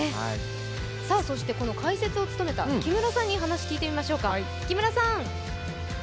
そして解説を務めた木村さんに話を聞いてみましょうか。